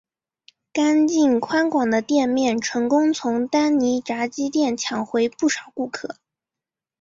干净宽广的店面成功从丹尼炸鸡店抢回不少顾客。